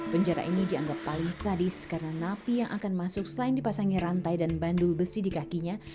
penjara ini dianggap paling sadis karena napi yang akan masuk selain dipasangi rantai dan bandul besi di kakinya